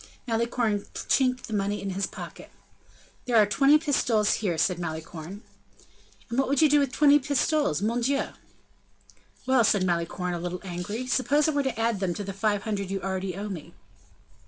Malicorne chinked the money in his pocket. "There are twenty pistoles here," said Malicorne. "And what would you do with twenty pistoles, mon Dieu!" "Well!" said Malicorne, a little angry, "suppose I were to add them to the five hundred you already owe me?"